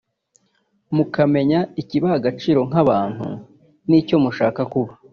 mukamenya ikibaha agaciro nk’abantu n’icyo mushaka kuba